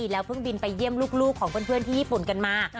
แล้วเพิ่งบินไปเยี่ยมลูกของเพื่อนที่ญี่ปุ่นกันมา